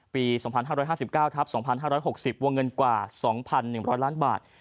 ปี๒๕๕๙ทับ๒๕๖๐วงเงินกว่า๒๑๐๐ล้านบาท